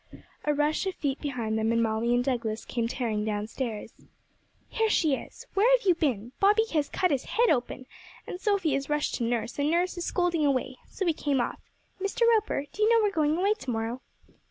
A rush of feet behind them, and Molly and Douglas came tearing downstairs. 'Here she is! Where have you been? Bobby has cut his head open, and Sophy has rushed to nurse, and nurse is scolding away, so we came off. Mr. Roper, do you know we're going away to morrow?'